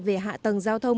về hạ tầng giao thông